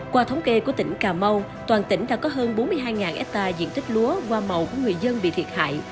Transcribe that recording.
qua thống kê của tỉnh cà mau toàn tỉnh đã có hơn bốn mươi hai hectare diện tích lúa hoa màu của người dân bị thiệt hại